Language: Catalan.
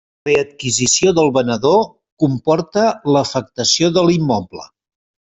La readquisició pel venedor comporta l'afectació de l'immoble.